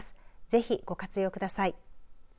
ぜひ、ご活用ください。